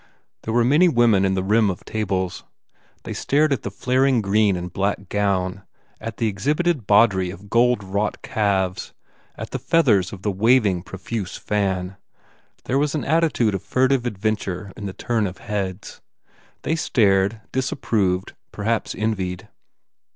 There were many women in the rim of tables. They stared at the flaring green and black gown, at the exhibited bawdry of gold wrought calves, at the feathers of the waving, profuse fan. There was an attitude of furtive adventure in the turn of heads. They stared, disapproved, perhaps envied.